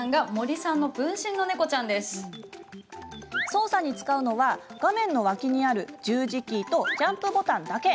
操作に使うのは画面の脇にある十字キーとジャンプボタンだけ。